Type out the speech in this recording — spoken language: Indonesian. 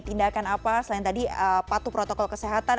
tindakan apa selain tadi patuh protokol kesehatan